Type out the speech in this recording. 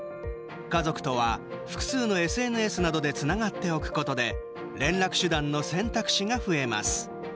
家族とは複数のＳＮＳなどでつながっておくことで連絡手段の選択肢が増えます。